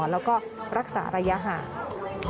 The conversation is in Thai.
แล้วก็รักษาระยะห่าง